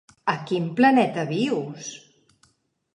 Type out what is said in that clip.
A quin planeta vius?